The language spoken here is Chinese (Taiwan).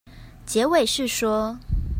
結尾是說